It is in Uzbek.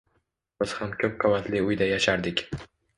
Biz ham koʻp qavatli uyda yashardik.